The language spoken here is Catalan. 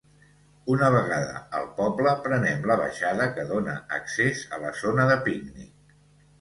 Una vegada al poble, prenem la baixada que dóna accés a la zona de pícnic.